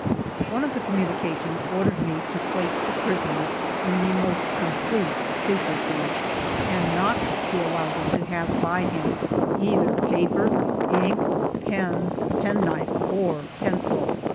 One of the communications ordered me to place the prisoner in the most complete secrecy, and not to allow him to have by him either paper, ink, pens, penknife, or pencil.